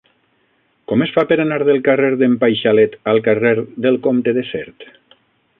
Com es fa per anar del carrer d'en Paixalet al carrer del Comte de Sert?